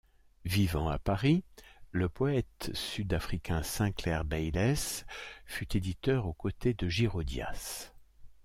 Vivant à Paris, le poète sud-africain Sinclair Beiles fut éditeur aux côtés de Girodias.